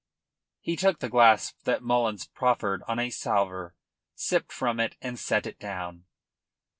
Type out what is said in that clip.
He took the glass that Mullins proffered on a salver, sipped from it, and set it down.